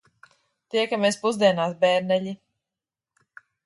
Tiekamies pusdienās, bērneļi.